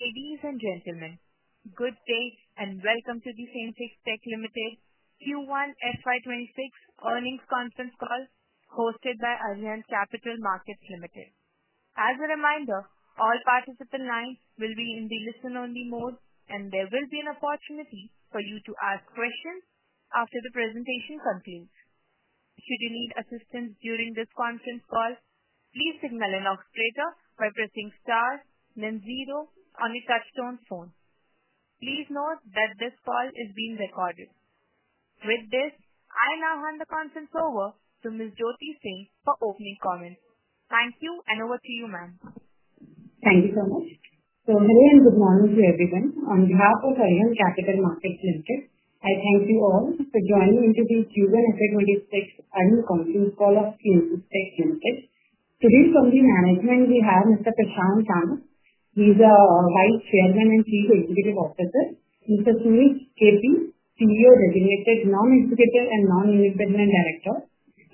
Ladies and gentlemen, good day, and welcome to the Ceinsys Tech Limited Q1 FY26 earnings conference call hosted by Arihant Capital Markets Limited. As a reminder, all participant lines will be in the listen-only mode, and there will be an opportunity for you to ask questions after the presentation concludes. Should you need assistance during this conference call, please signal an operator by pressing star then zero on your touchtone phone. Please note that this call is being recorded. With this, I now hand the conference over to Ms. Jyoti Singh for opening comments. Thank you, and over to you, ma'am. Thank you so much. Hello and good morning to everyone on behalf of Arihant Capital Markets Limited, and thank you all for joining into this Q1 FY2026 earnings conference call of Ceinsys Tech Limited. To build from the management, we have Mr. Prashant Kamat. He's our Vice Chairman and Chief Executive Officer. Mr. Srinivas Keshi, he's your designated Non-Executive and Non-Independent Director.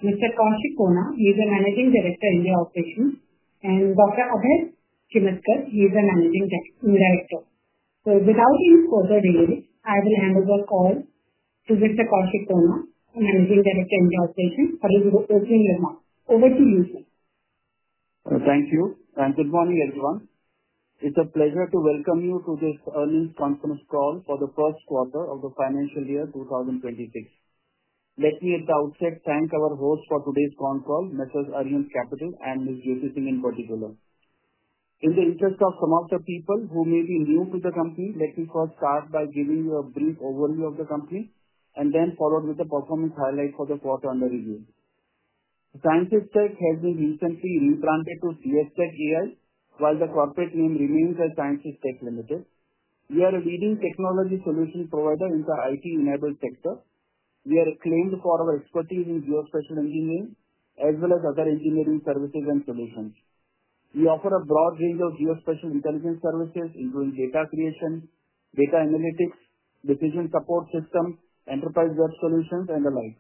Mr. Kaushik Khona, he's the Managing Director – Operations. Dr. Animesh Srivastava, he's the Managing Director. Without any further delay, I will hand over the call to Mr. Kaushik Khona, Managing Director – Operations. Over to you, ma'am. Thank you, and good morning, everyone. It's a pleasure to welcome you to this earnings conference call for the first quarter of the financial year 2026. Let me, at the outset, thank our host for today's conference call, Arihant Capital Markets Limited and Ms. Jyoti Singh in particular. In the interest of some of the people who may be new to the company, let me first start by giving you a brief overview of the company, and then follow up with the performance highlights for the quarter under review. Ceinsys Tech has been recently rebranded to CS Tech AI, while the corporate name remains as Ceinsys Tech Limited. We are a leading technology solutions provider in the IT-enabled sector. We are acclaimed for our expertise in geospatial engineering services, as well as other engineering services and technology solutions. We offer a broad range of geospatial engineering services, including data creation, data analytics, decision support systems, enterprise web solutions, and the like.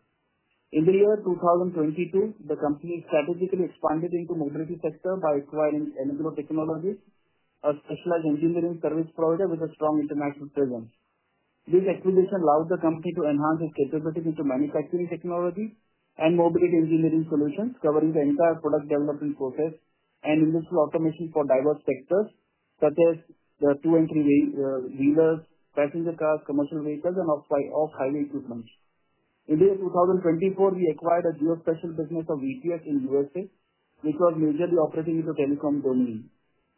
In the year 2022, the company strategically expanded into the mobility sector by acquiring Enegro Technologies, a specialized engineering service provider with a strong international presence. This acquisition allowed the company to enhance its capabilities into manufacturing technology and mobility engineering solutions, covering the entire product development process and initial automation for diverse sectors, such as the two and three wheelers, passenger cars, commercial vehicles, and off-highway equipment. In the year 2024, we acquired a geospatial business of VPS in the U.S., which was majorly operating in the telecom domain.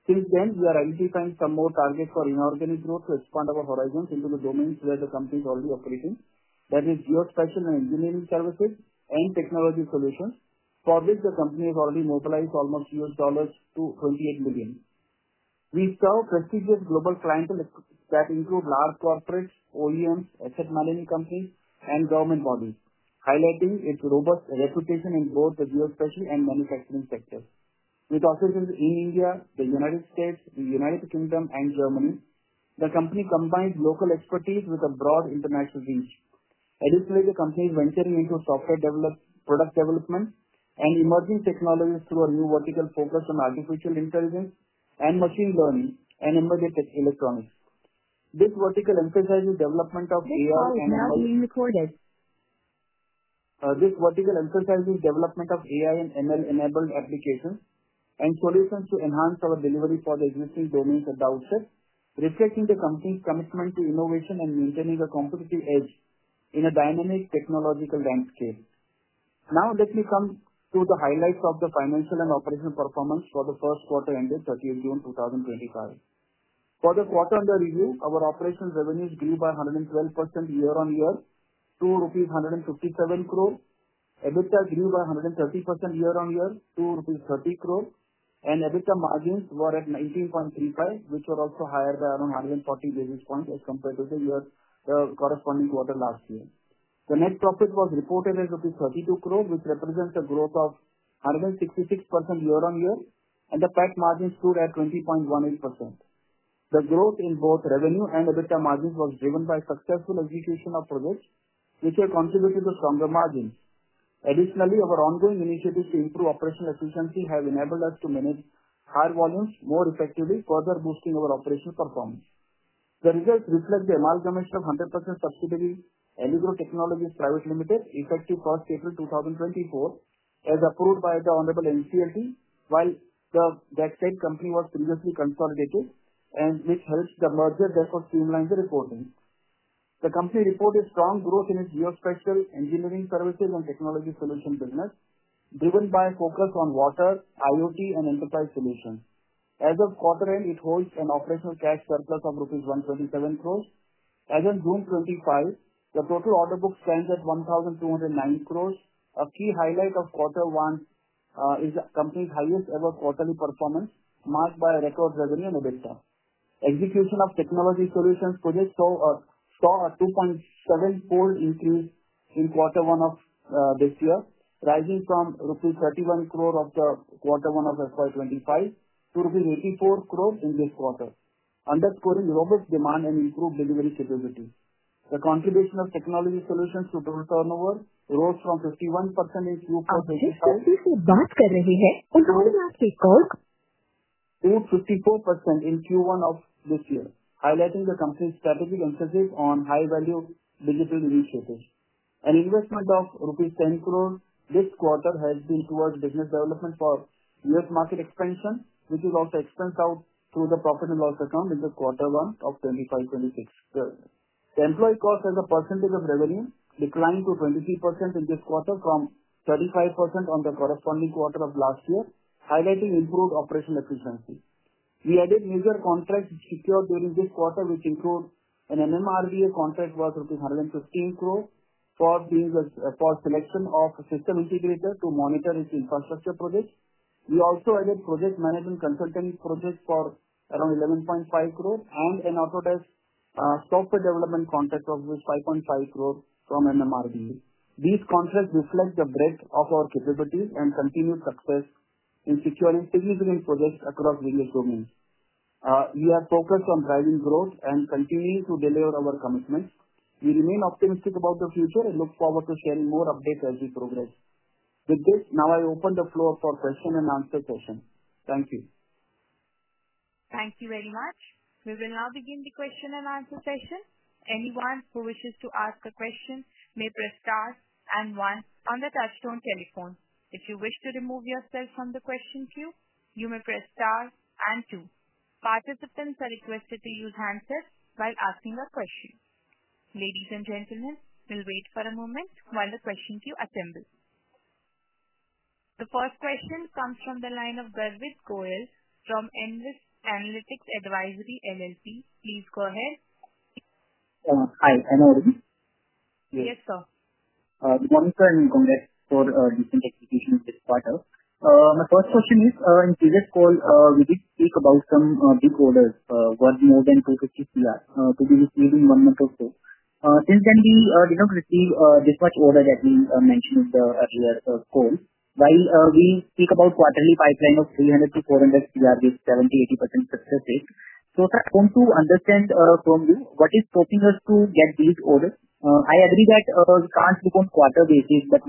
Since then, we are identifying some more targets for inorganic growth to expand our horizons into the domains where the company is already operating, that is geospatial engineering services and technology solutions, for which the company has already mobilized almost $38 million. We serve prestigious global clientele that includes large corporates, OEMs, many companies, and government bodies, highlighting its robust reputation and growth in the geospatial and manufacturing sector. With operations in India, the U.S., the U.K., and Germany, the company combines local expertise with a broad international reach. Additionally, the company is venturing into software development, product development, and emerging technologies through a new vertical focus on artificial intelligence and machine learning and embedded electronics. This vertical emphasizes the development of AI and ML. Now being recorded. This vertical emphasizes the development of AI and ML enabled applications and solutions to enhance our delivery for the existing domains at the outset, reflecting the company's commitment to innovation and maintaining a competitive edge in a dynamic technological landscape. Now, let me come to the highlights of the financial and operational performance for the first quarter ended 30th June 2025. For the quarter under review, our operational revenues grew by 112% year on year, 2.157 crore rupees. EBITDA grew by 130% year on year, 2.30 crore rupees. EBITDA margins were at 19.35%, which were also higher by around 140 basis points as compared to the corresponding quarter last year. The net profit was reported as 32 crore, which represents a growth of 166% year on year, and the PAT margins stood at 20.18%. The growth in both revenue and EBITDA margins was driven by successful execution of projects, which contributed to stronger margins. Additionally, our ongoing initiatives to improve operational efficiency have enabled us to manage higher volumes more effectively, further boosting our operational performance. The results reflect the amalgamation of 100% subsidiary Enegro Technologies Pvt Ltd., effective 1st April 2024, as approved by the Honorable NCLT, while the debt-shaped company was previously consolidated, and this helped the merger record streamline the reporting. The company reported strong growth in its geospatial engineering services and technology solutions business, driven by a focus on water, IoT, and enterprise solutions. As of quarter end, it holds an operational cash surplus of rupees 137 crore. As of June 2025, the total order book stands at 1,290 crore. A key highlight of quarter one is the company's highest ever quarterly performance, marked by a record revenue and EBITDA. Execution of technology solutions projects saw a 2.7 fold increase in quarter one of this year, rising from rupees 31 crore in quarter one of FY25 to rupees 84 crore in this quarter, underscoring robust demand and improved delivery security. The contribution of technology solutions to turnover rose from 51% in Q4 to 55%. Since we're so fast, can you repeat that? Since 54% in Q1 of this year, highlighting the company's strategic emphasis on high-value legacy release services. An investment of 7 crore rupees this quarter has been towards business development for U.S. market expansion, which is also expensed out through the profit and loss account in the quarter one of 2025-2026. The employee cost as a percentage of revenue declined to 23% in this quarter from 35% in the corresponding quarter of last year, highlighting improved operational efficiency. We added major contracts secured during this quarter, which include an MMRDA contract worth rupees 115 crore for the selection of system integrators to monitor its infrastructure projects. We also added project management consultancy projects for around 11.5 crore, and an auto test software development contract of 5.5 crore from MMRDA. These contracts reflect the breadth of our capabilities and continued success in securing significant projects across various domains. We have focused on driving growth and continue to deliver our commitments. We remain optimistic about the future and look forward to sharing more updates as we progress. With this, now I open the floor for question and answer session. Thank you. Thank you very much. We will now begin the question and answer session. Anyone who wishes to ask a question may press star and one on the touchstone telephone. If you wish to remove yourself from the question queue, you may press star and two. Participants are requested to use handsets while asking a question. Ladies and gentlemen, we'll wait for a moment while the question queue assembles. The first question comes from the line of Garvit Goel from Enrich Analytics Advisory LLC. Please go ahead. Hi, I'm audible? Yes. Yes, sir. One concern in Congress for your investigation this quarter. My first question is, in the previous call, we did speak about some big orders, one more than 250 million, to be receiving one month or so. Until then, we did not receive this much order that we mentioned in the earlier call. While we speak about quarterly pipeline of 300 to 400 million, there's 70% to 80% success rate. I want to understand from you what is stopping us to get these orders. I agree that we can't do it on a quarter basis, but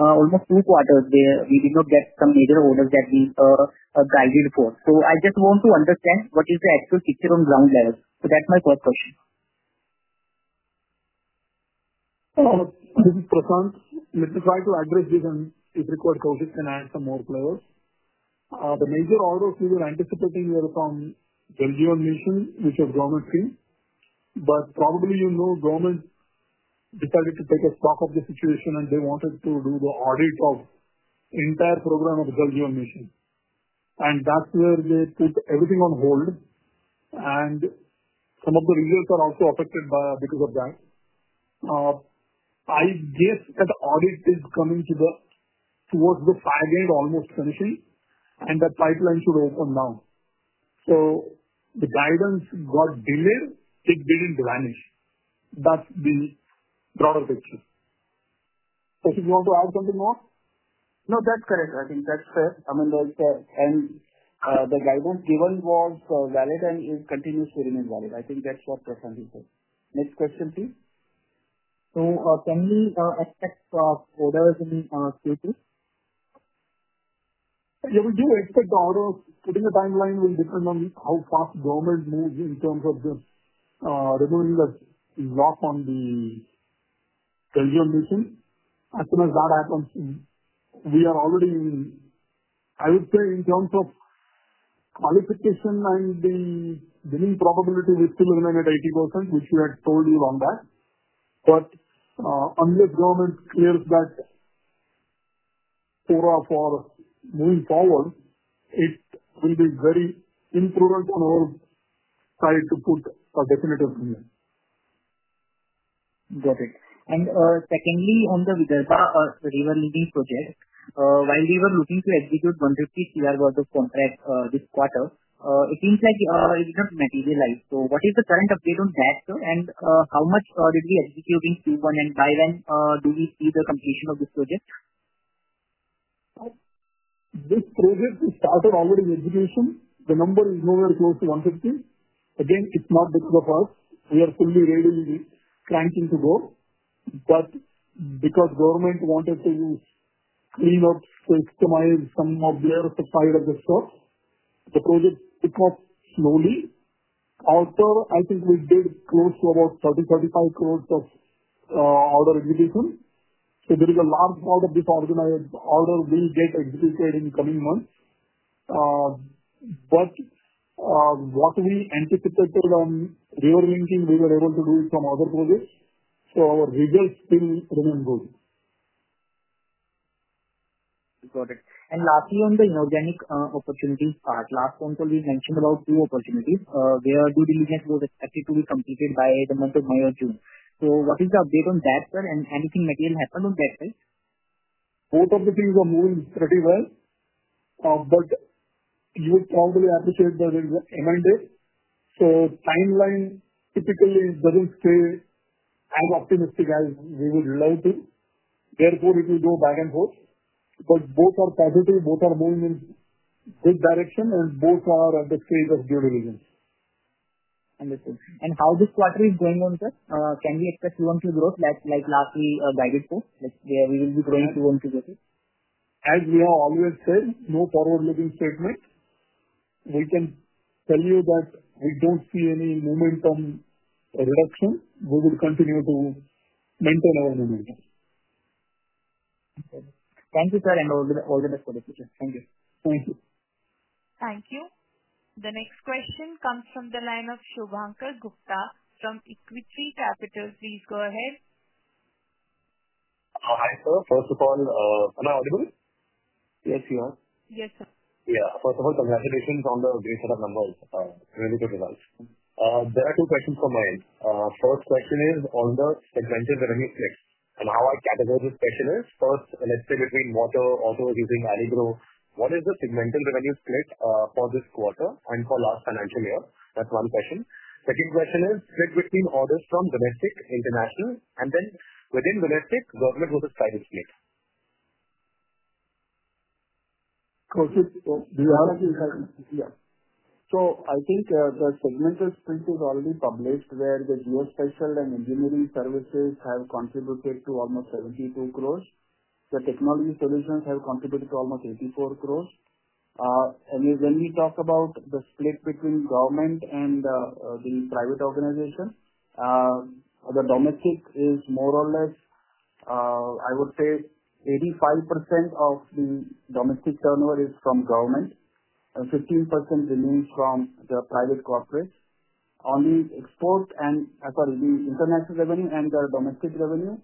now it's almost two quarters there. We did not get some major orders that we are guided for. I just want to understand what is the actual picture on ground level. That's my question. This is Prashant. Let me try to address this in typical context and add some more clarity. The major orders we were anticipating were from Jal Jeevan Mission, which is a government team. You know government decided to take a stock of the situation and they wanted to do the audit of the entire program of Jal Jeevan Mission. That's where they put everything on hold. Some of the results are also affected because of that. I guess that the audit is coming towards the five-year, almost finishing, and that pipeline should open now. The guidance got delayed. It didn't vanish. That's the broader picture. I think you want to add something more? No, that's correct. I think that's fair. I mean, the guidance given was valid and it continues to remain valid. I think that's what Prashant is saying. Next question, please. Can we expect the orders in Q2? Yeah, we do expect the order given the timeline will depend on how fast government moves in terms of the revenues that we lost on the Jal Jeevan Mission. As soon as that happens, we are already in, I would say, in terms of qualification and the billing probability, we're still looking at 80%, which we had told you on that. Unless government hears that for us for moving forward, it will be very influential on our side to put a definitive reason. Got it. Secondly, on the revenue project, while we were looking to execute 150 PRs worth of contracts this quarter, it seems like it has not materialized. What is the current update on that? How much did we execute in Q1, and by when do we see the completion of this project? This project started already in execution. The number is nowhere close to 150 crore. Again, it's not because of us. We are fully ready to clank into the door, but because the government wanted to clean up, to optimize some of their supplier of the stuff, the project took off slowly. After, I think we did close to about 30, 35 crore of order execution. There is a large part of the targeted order we get executed in the coming months. What we anticipated on rearranging, we were able to do it from other projects. Our results still remain good. Got it. Lastly, on the inorganic opportunities part, last quarter, we mentioned about two opportunities. They are due to be completed by the month of May or June. What is the update on that? Anything material happen on that, right? Both entities are moving pretty well. You would probably appreciate the real behind it. The timeline typically doesn't stay as optimistic as we would like it. Therefore, it will go back and forth. Both are positive, both are moving in a good direction, and both are at the stage of due diligence. Understood. How is this quarter going on, sir? Can we expect two months of growth, like last year guided for? Will you be growing two months of growth? As we have always said, no forward-looking statement. We can tell you that we don't see any momentum reduction. We would continue to maintain our momentum. Okay. Thank you, sir, and all the organized participants. Thank you. Thank you. Thank you. The next question comes from the line of Shubhankar Gupta from Equity Capital. Please go ahead. Hi, sir. First of all, am I audible? Yes, you are. Yes, sir. First of all, congratulations on the reasonable numbers. Really good results. There are two questions for my list. First question is on the segmented revenue split. Our category question is, first, electric, green, water, auto, using Enegro Technologies. What is the segmented revenue split for this quarter and for last financial year? That's one question. Second question is, split between orders from domestic, international, and then within domestic, government versus private split. I think the segmented split is already published, where the geospatial engineering services have contributed to almost 72 crore. The technology solutions have contributed to almost 84 crore. When we talk about the split between government and the private organization, the domestic is more or less, I would say, 85% of the domestic turnover is from government. 15% remains from the private corporates. On the export and, sorry, the international revenue and the domestic revenue,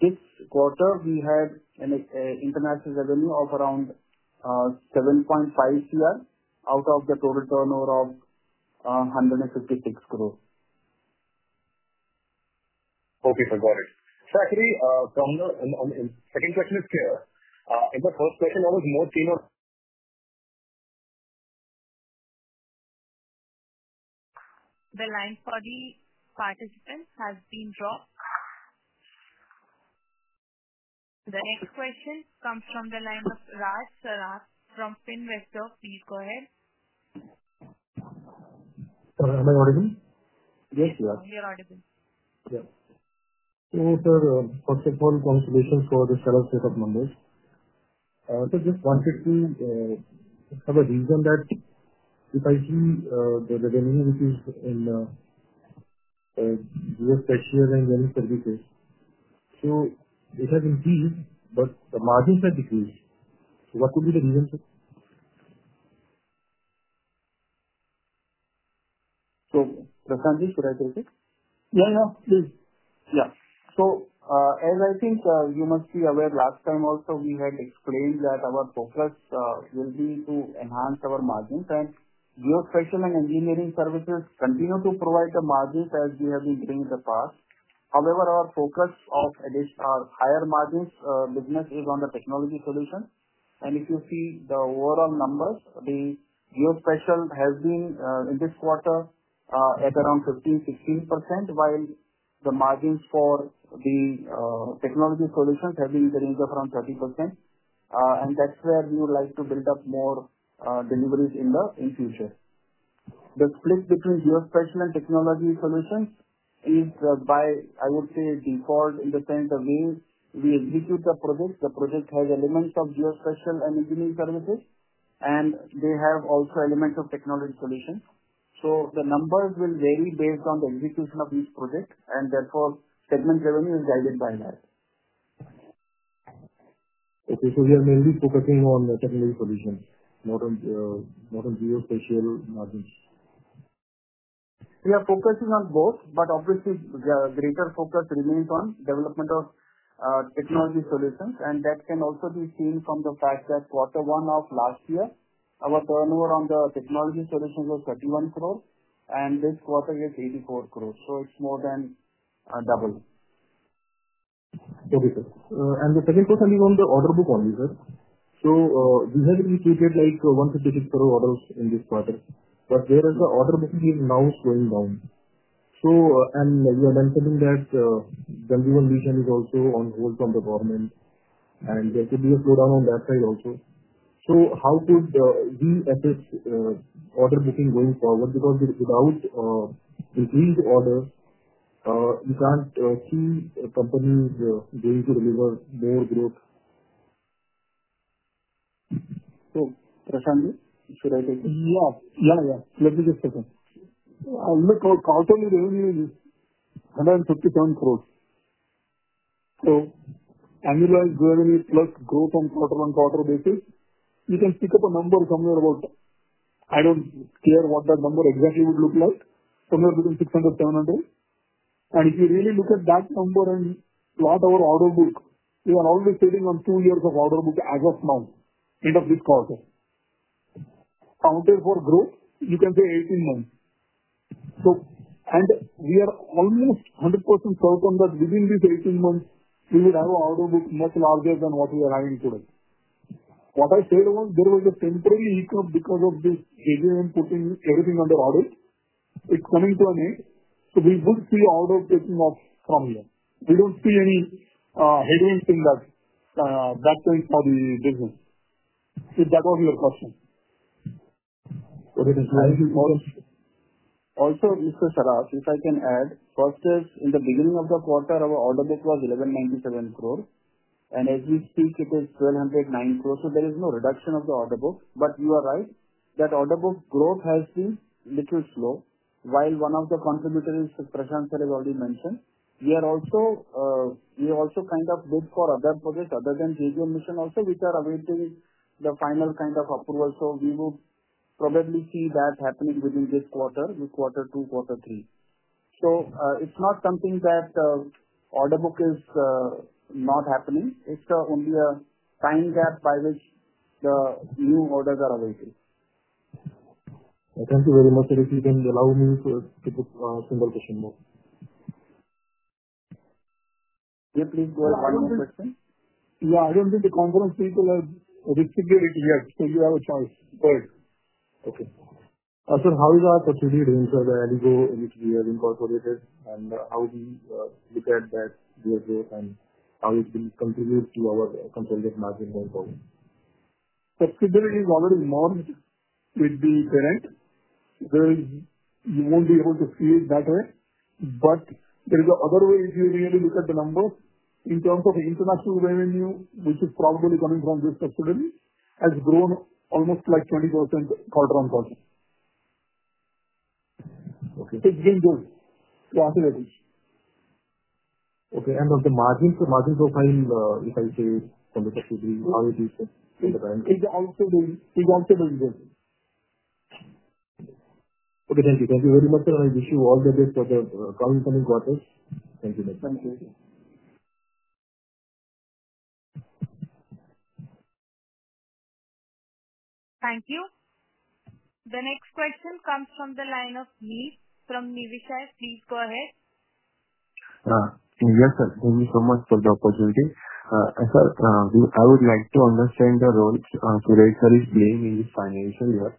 this quarter, we had an international revenue of around 7.5 crore out of the total turnover of 156 crore. Okay, sir. Got it. Secondly, on the second question is fair, but her question was more cleaner. The line for the participants has been dropped. The next question comes from the line of Raj Sarath from Envestnet. Please go ahead. Hello? Am I audible? Yes, you are. Yes, you are audible. Yeah. Sir, a simple confirmation for the shallow set of numbers. There's just one specific reason that if I see the revenue increase in geospatial and then services, it has increased, but the margins have decreased. What could be the reason, sir? Prashant, could I take it? Yeah, yeah, please. As I think you must be aware, last time also we had explained that our focus will be to enhance our margins. Geospatial and engineering services continue to provide the margins as we have been doing in the past. However, our focus of additional higher margins business is on the technology solutions. If you see the overall numbers, the geospatial has been in this quarter at around 15-16%, while the margins for the technology solutions have been in the range of around 30%. That's where we would like to build up more deliveries in the future. The split between geospatial and technology solutions is by, I would say, default in the sense of being we execute the project. The project has elements of geospatial and engineering services, and they have also elements of technology solutions. The numbers will vary based on the execution of each project, and therefore, segment revenue is guided by that. Okay, we are mainly focusing on the technology solutions, not on geospatial margins. We are focusing on both, but obviously, the greater focus remains on development of technology solutions. That can also be seen from the fact that quarter one of last year, our turnover on the technology solutions was 31 crore, and this quarter is 84 crore. It's more than double. Okay, sir. The second quarter is on the order book only, sir. We have executed 156 crore orders in this quarter. The order booking is now slowing down. We are mentioning that the revenue region is also on hold from the government. There could be a slowdown on that side also. How could these affect order booking going forward? Without a decreased order, you can't see companies going to deliver more growth. Prashant, should I take? Yeah. Yeah, yeah. Let me just take it. Our quarterly revenue is INR 157 crore. Annualized revenue plus growth on quarter-on-quarter basis, you can stick up a number somewhere about, I don't care what that number exactly would look like, somewhere between 610 crore and. If you really look at that number and plot our order book, we are already sitting on two years of order book as of now, end of this quarter. Counter for growth, you can say 18 months. We are almost 100% certain that within these 18 months, we will have an order book much larger than what we are having today. What I said was there was a temporary issue because of this heavy hand putting everything under order. It's coming to an end. We would see order taking off from there. We don't see any heavy hands in that. That's the issue that we are confronting. Okay, sir. Also, Mr. Sarath, if I can add, in the beginning of the quarter, our order book was 1,197 crore. As we speak, it is 1,209 crore. There is no reduction of the order book. You are right that order book growth has been a little slow. While one of the contributors, Prashant Sir, has already mentioned, we also kind of bid for other projects other than Jal Jeevan Mission also, which are awaiting the final kind of approval. We will probably see that happening within this quarter, with quarter two, quarter three. It's not something that order book is not happening. It's only a time gap by which the new orders are awaited. Thank you very much. If you can allow me to skip a single question more. Yeah, please go ahead. Yeah, I don't think the conference will have executed it yet. You have a chance. Go ahead. Okay. Sir, how is our strategy against Enegro Technologies and how do you prepare that? How does it contribute to our consolidated market going forward? Flexibility is already launched with the current. You won't be able to see it that way, but there is another way if you really look at the numbers. In terms of international revenue, which is probably coming from this flexibility, has grown almost like 20% quarter on quarter. Okay. It's doing good. I think that is. Okay. On the margins, the margins are fine, if I may say, INR 153 crore in the range. It's also doing good. Okay. Thank you. Thank you very much. I wish you all the best for the coming quarters. Thank you, sir. Thank you. Thank you. The next question comes from the line of Lloyd from Nivesha. Please go ahead. Yes, sir. Thank you so much for the opportunity. I would like to understand the role Project SAR is playing in this financial year.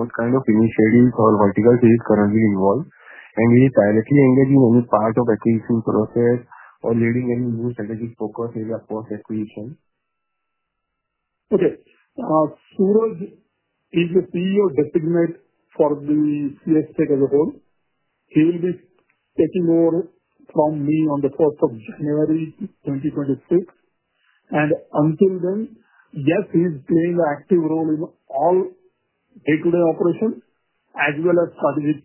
What kind of initiatives or verticals are currently involved? Is it directly engaging in any part of the acquisition process or leading any new strategic focus, maybe across acquisition? Is the CEO designated for Ceinsys Tech Limited as a whole? He is taking over from me on the 4th of January, 2026. Until then, yes, he is playing an active role in all day-to-day operations, as well as strategic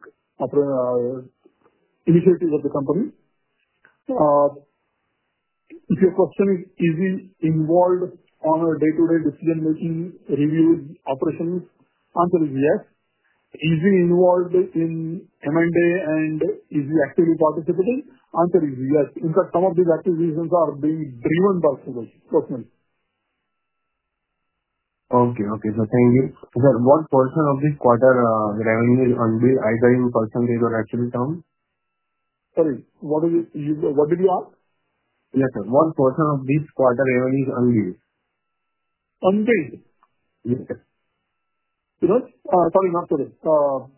initiatives of the company. If your question is, is he involved on a day-to-day decision-making review operations? Answer is yes. Is he involved in M&A and is he actively participating? Answer is yes. Because some of these activities are being driven by Suresh personally. Okay. Thank you. Sir, what portion of this quarter's revenue is unbilled, either in % or actual term? Sorry, what did you ask? Yes, sir. What portion of this quarter's revenue is unbilled? Unbilled? Yes. Sorry, not today.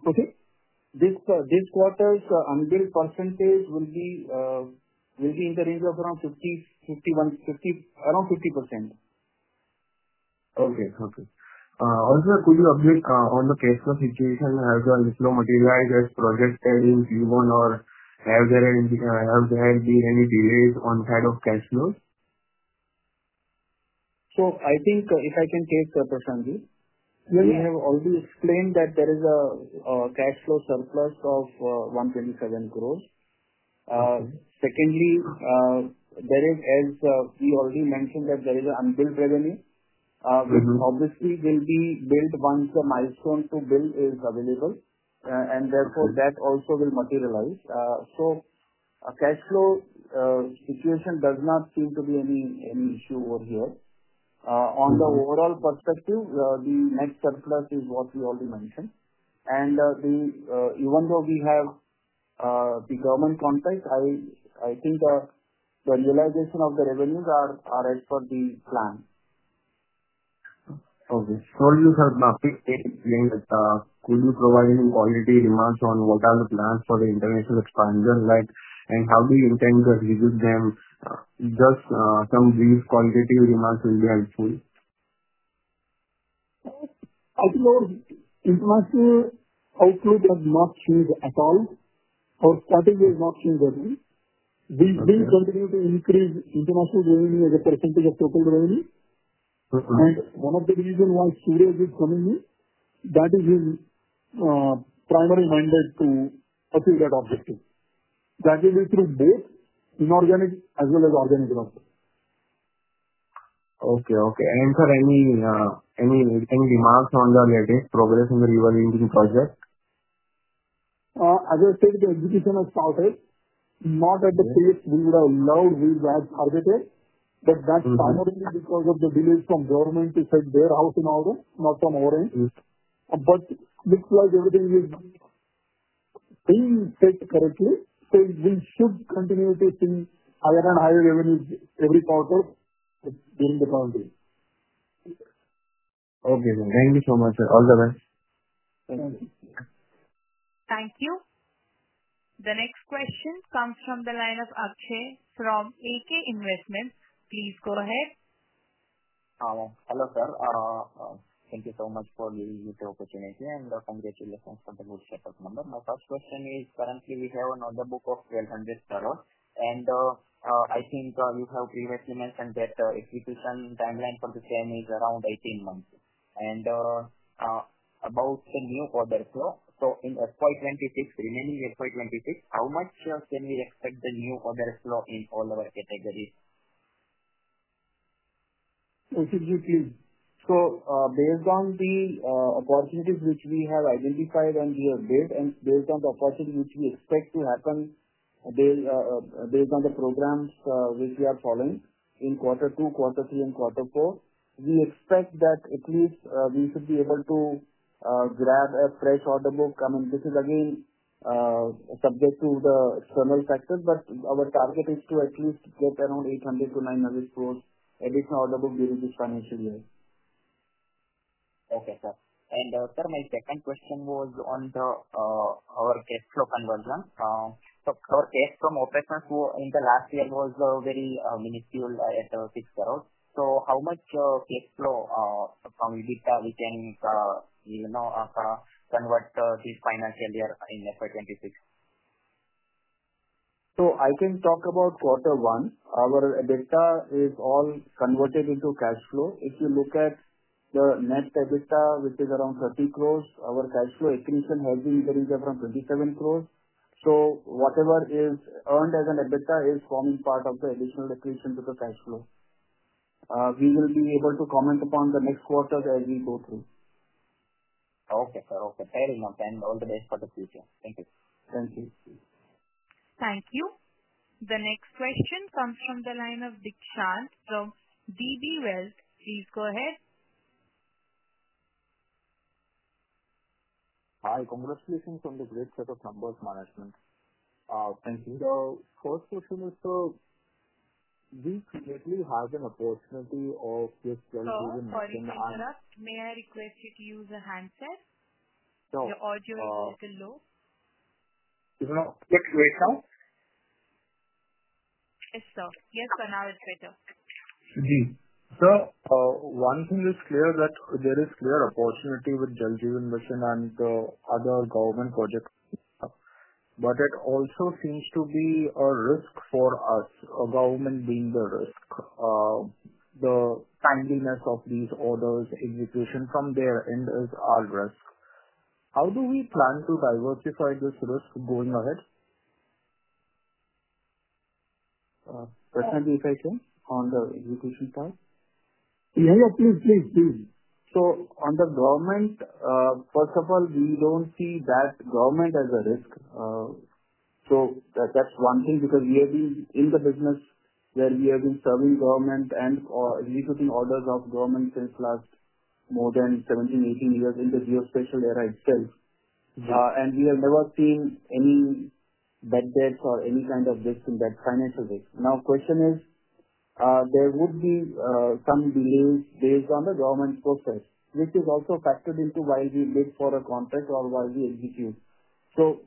Okay, this quarter's unbilled percentage will be in the range of around 50%. Okay. Okay. Also, could you update on the cash flow situation as well? Will it materialize as projects are in Q1, or have there been any delays on the head of cash flow? I think if I can take the question, we have already explained that there is a cash flow surplus of 127 crore. Secondly, as we already mentioned, there is an unbilled revenue. Obviously, it will be billed once the milestone to bill is available, and therefore, that also will materialize. A cash flow situation does not seem to be any issue over here. On the overall perspective, the next surplus is what we already mentioned. Even though we have the government contract, I think the realization of the revenues are as per the plan. Okay. Sure. You have not explained that. Could you provide any qualitative remarks on what are the plans for the international expansion, and how do you intend to execute them? Just some brief qualitative remarks will be helpful. As you know, international ICA does not shrink at all, or starting to not shrink at all. We continue to increase international revenue as a percentage of total revenue. One of the reasons why K. P.Suresh is coming in is that his primary mandate is to achieve that objective. That will be through both inorganic as well as organic revenue. Okay. Sir, any remarks on the latest progress in the revaluing project? As I said, the execution has started, not at the pace we would have allowed or that targeted. That's primarily because of the delays from government to set their house in order, not from our end. It looks like everything is being set correctly. We should continue to see higher and higher revenues every quarter during the current year. Okay, thank you so much, sir. All the best. Thank you. Thank you. The next question comes from the line of Akshay from AK Investments. Please go ahead. Hello, sir. Thank you so much for the opportunity and congratulations for the good setup number. My first question is, currently, we have an order book of 1,200 crore. I think you have previously mentioned that the execution timeline for the same is around 18 months. About the new order flow, in FY 2026, remaining FY 2026, how much can we expect the new order flow in all of our categories? Yes, if you please. Based on the opportunities which we have identified and we are based, and based on the opportunity which we expect to happen, based on the programs which we are following in quarter two, quarter three, and quarter four, we expect that at least we should be able to grab a fresh order book. This is again subject to the external factors, but our target is to at least get around 800 to 900 crore additional order book during this financial year. Okay, sir. My second question was on our cash flow conversion. Our cash from OpEx in the last year was very minuscule at 6 crore. How much cash flow from EBITDA can we convert this financial year in FY2026? I can talk about quarter one. Our EBITDA is all converted into cash flow. If you look at the net EBITDA, which is around 30 crore, our cash flow accretion has been in the range of around 27 crore. Whatever is earned as an EBITDA is forming part of the additional accretion to the cash flow. We will be able to comment upon the next quarter as we go through. Okay, sir. Okay. Very much. All the best for the future. Thank you. Thank you. Thank you. The next question comes from the line of Vikrant from B.V. Welling. Please go ahead. Hi. Congratulations on the great set of numbers, management. In the first question, we creatively have an opportunity of getting $12 million in. Sorry, Prashant, may I request you to use a handset? Sure. Your audio is a little low. You're going to get great sound? Yes, sir. Now it's better. One thing is clear that there is clear opportunity with Delhi Investment and other government projects, but it also seems to be a risk for us, a government being the risk. The timeliness of these orders' execution from their end is our risk. How do we plan to diversify this risk going ahead? Prashant, if I may, on the execution part? Yeah, please, please. On the government, first of all, we don't see that government as a risk. That's one thing because we have been in the business where we have been serving government and executing orders of government since the last more than 17, 18 years in the geospatial era itself. We have never seen any bad debts or any kind of risk in that financial base. The question is, there would be some delays based on the government's process, which is also factored into why we bid for a contract or why we execute.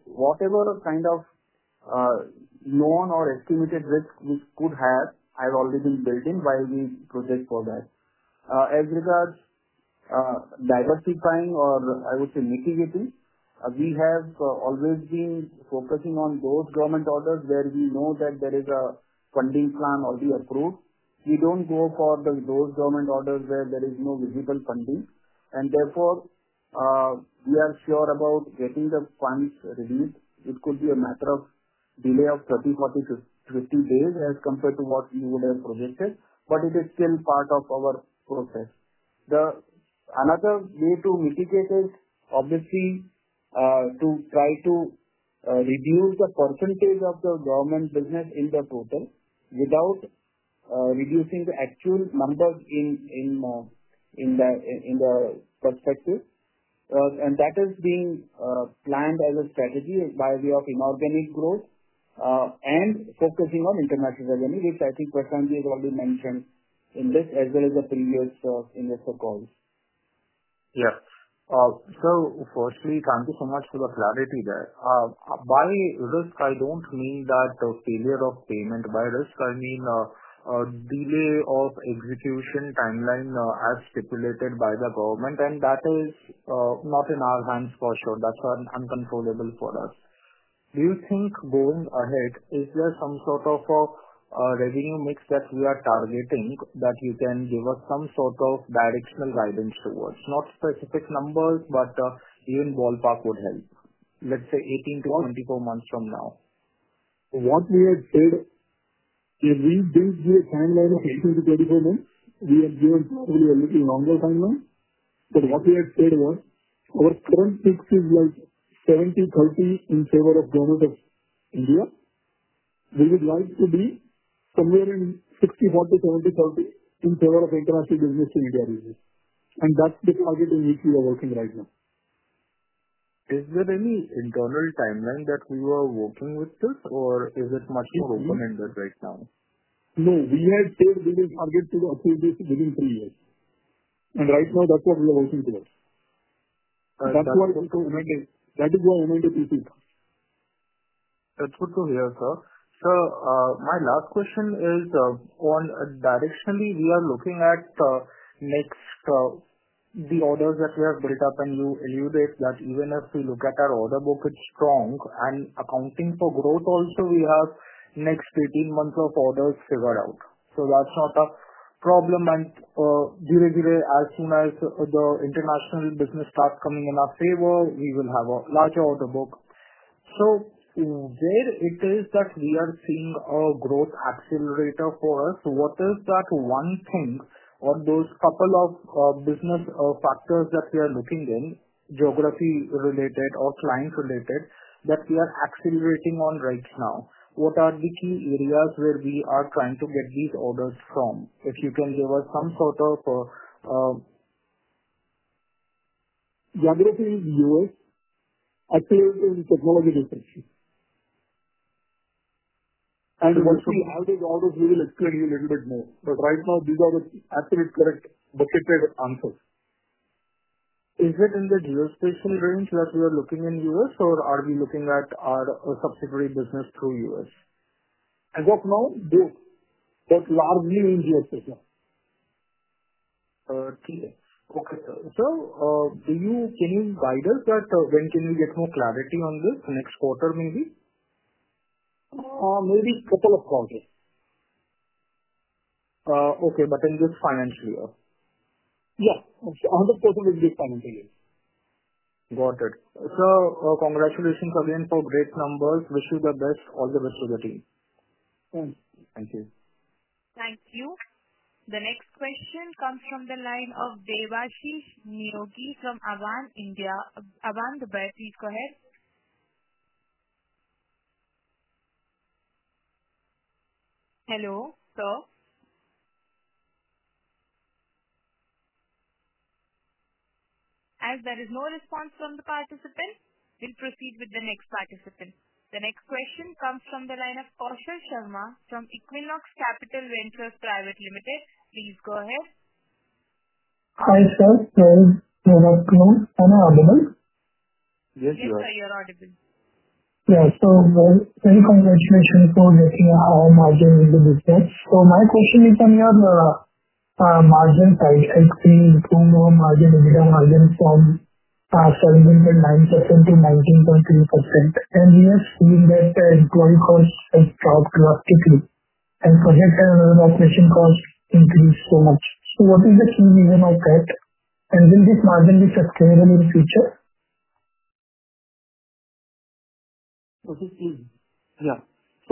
Whatever kind of known or estimated risk which could have, have already been built in while we project for that. As regards diversifying or I would say nativity, we have always been focusing on those government orders where we know that there is a funding plan already approved. We don't go for those government orders where there is no visible funding. Therefore, we are sure about getting the funds released. It could be a matter of delay of 30, 40, 50 days as compared to what you would have projected, but it is still part of our process. Another way to mitigate is, obviously, to try to reduce the percentage of the government business in the total without reducing the actual numbers in the perspective. That has been planned as a strategy by way of inorganic growth and focusing on international revenue, which I think Prashant has already mentioned in this as well as the previous calls. Yes, firstly, thank you so much for the clarity there. By risk, I don't mean the failure of payment. By risk, I mean a delay of execution timeline, as stipulated by the government. That is not in our hands for sure. That's uncontrollable for us. Do you think going ahead, is there some sort of a revenue mix that we are targeting that you can give us some sort of directional guidance towards? Not specific numbers, but even ballpark would help. Let's say 18 to 24 months from now. What we have said, if we've built the timeline of 18 to 24 months, we have given you a little longer timeline. What we have said was our current mix is like 70/30 in favor of government in Europe. We would like to be somewhere in 60/40, 70/40 in favor of international business in the region. That's the target on which we are working right now. Is there any internal timeline that we were working with this, or is it much more open-ended right now? No, we have said we will target to approve this within three years. Right now, that's what we are working towards. That is the moment of the issue. That's good to hear, sir. My last question is, directionally, we are looking at the orders that we have built up. You alluded that even as we look at our order book, it's strong. Accounting for growth, also we have next 18 months of orders figured out. That's not a problem. As soon as the international business starts coming in our favor, we will have a larger order book. Where is it that we are seeing a growth accelerator for us? What is that one thing or those couple of business factors that we are looking in, geography-related or client-related, that we are accelerating on right now? What are the key areas where we are trying to get these orders from? If you can give us some sort of, geography is U.S., I think it is technology literacy. Once we have these orders, we will explain to you a little bit more. Right now, you got an absolutely correct, definitive answer. Is it in the geospatial range that we are looking in U.S., or are we looking at our subsidiary business through U.S.? As of now, both, but largely in geospatial. Okay. Can you guide us when can we get more clarity on this? Next quarter, maybe? Maybe the total of quarter. In this financial year? Yeah, 100% in this financial year. Got it. Congratulations again for great numbers. Wish you all the best for the team. Thank you. Thank you. Thank you. The next question comes from the line of Devashish Nigam from Avendus India. Devashish, the best, please go ahead. Hello, sir. As there is no response from the participants, we'll proceed with the next participant. The next question comes from the line of Kaushal Sharma from Equinox Capital Ventures Pvt. Ltd. Please go ahead. Hi, sir. Do you have a question on our order book? Yes, sir. Yes, sir, your order book. Yeah. So very congratulations for raising our margin in the business. My question is, on your margin side, I see the total margin, EBITDA margin is falling at 9%. And projected another operation cost increased for. What is the key reason of cost? On this margin, we should save in the future. What is the key? Yeah.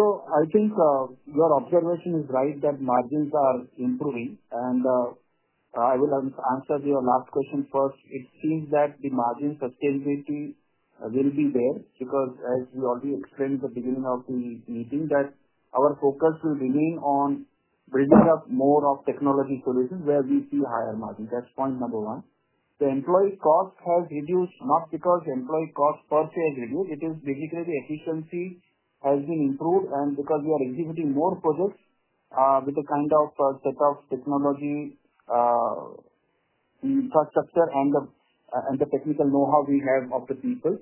I think your observation is right that margins are improving. I will answer your last question first. It seems that the margin sustainability will be there because, as we already explained at the beginning of the meeting, our focus will remain on bringing up more of technology solutions where we see higher margins. That's point number one. The employee cost has reduced not because employee cost per se has reduced. It is basically the efficiency has been improved. Because we are executing more projects with the kind of set of technology infrastructure and the technical know-how we have of the people.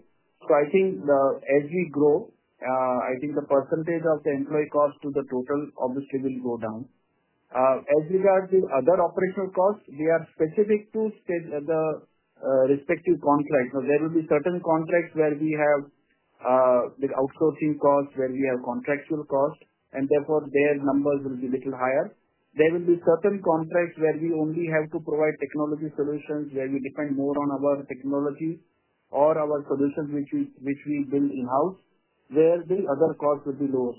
I think as we grow, the percentage of the employee cost to the total obviously will go down. As regards to other operational costs, they are specific to the respective contracts. There will be certain contracts where we have the outsourcing costs, where we have contractual costs, and therefore, their numbers will be a little higher. There will be certain contracts where we only have to provide technology solutions, where we depend more on our technology or our solutions, which we build in-house, where the other costs would be lower.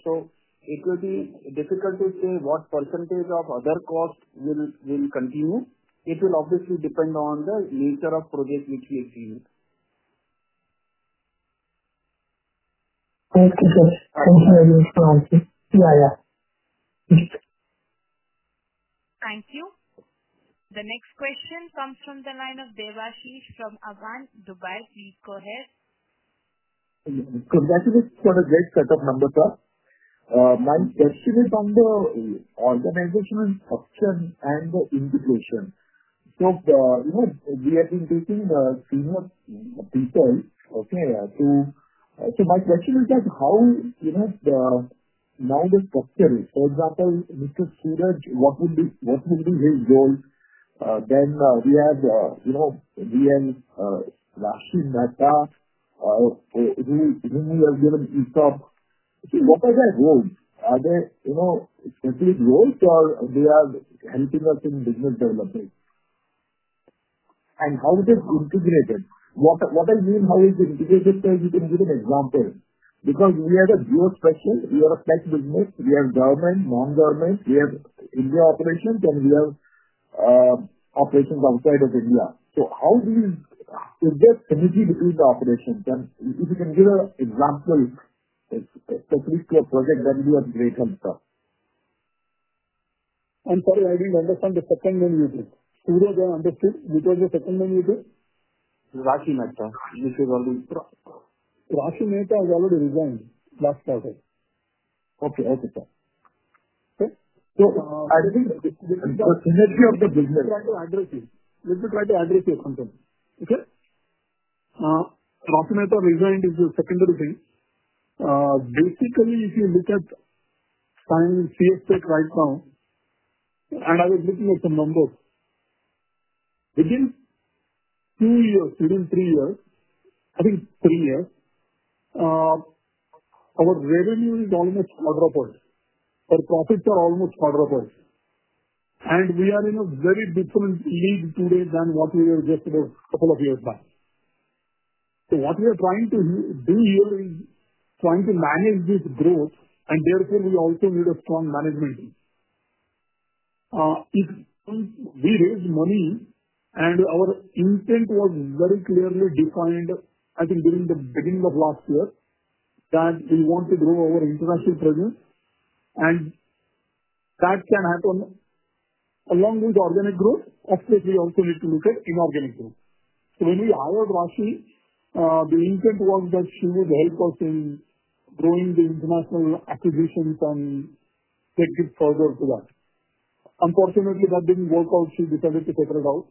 It will be difficult to say what percentage of other costs will continue. It will obviously depend on the nature of projects which we execute. Thank you, sir. Thank you. Thank you. The next question comes from the line of Lloyd from Avendus Dubai. Please go ahead. That is for the next set of numbers, sir. My question is on the organizational structure and the integration. We have been taking a team of people, okay? My question is that how, you know, now the structure, for example, Mr. Suresh, what would be his role? Then we have, you know, again, Rashid Mehta, Ravi, and Ishtar. Okay, what are their roles? Are they in big roles or are they helping us in business development? How is it integrated? What I mean, how is it integrated? Can you give an example? We have a geospatial. We have a tech business. We have government, non-government. We have India operations, and we have operations outside of India. How do you put that energy into operations? If you can give an example, it's technically a project done with Grayson's firm. Sorry, I didn't understand the second name you said. I understood. What was the second name you said? Rashid Mehta. This is already correct. Rashid Mehta has already resigned last quarter. Okay, okay, okay. I think the entire synergy of the business. Let me try to address you. Let me try to address you something, okay? Rashid Mehta resigned is a secondary thing. Basically, if you look at Ceinsys Tech right now, and I will give you some numbers. Within two years, within three years, I think three years, our revenue is almost quadrupled. Our profits are almost quadrupled. We are in a very different age today than what we were just a couple of years back. What we are trying to do here is trying to manage this growth, and therefore, we also need a strong management team. We raised money, and our intent was very clearly defined, I think, during the beginning of last year that we want to grow our international presence. That can happen along with organic growth. Of course, we also need to look at inorganic growth. When we hired Rashid, the intent was that she would help us in growing the international acquisition and get further to that. Unfortunately, that didn't work out. She decided to take it out.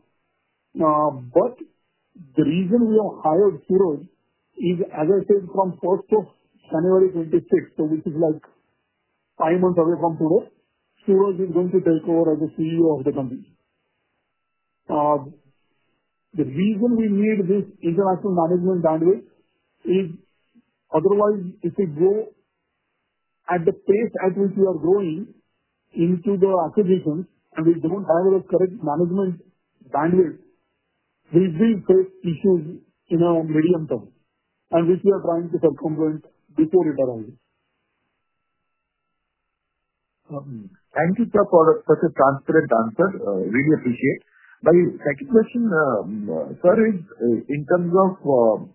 The reason we have hired Suresh is, as I said, from January 1, 2026, which is like five months away from today, Suresh is going to take over as the CEO of the company. The reason we need this international management bandwidth is, otherwise, if we grow at the pace at which we are growing into the acquisition and we do not have the correct management bandwidth, we will face issues in our medium term, which we are trying to confront before we buy out. Thank you for such a transparent answer. I really appreciate it. My second question, sir, is in terms of